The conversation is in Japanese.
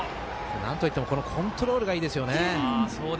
なんといってもコントロールがいいですよね。